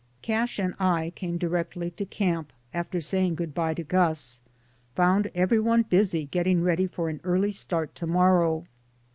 Cash and I came directly to camp, after saying good bye to Gus; found every one busy getting ready for an early start to mor row.